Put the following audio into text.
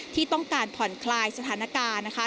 ที่ต้องการผ่อนคลายสถานการณ์นะคะ